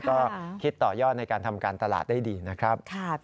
ก็คิดต่อยอดในการทำการตลาดได้ดีนะครับ